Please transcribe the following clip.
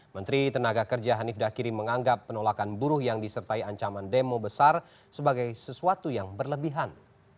menteri tenaga kerja hanif dakiri menganggap penolakan buruh yang disertai ancaman demo besar sebagai sesuatu yang berlebihan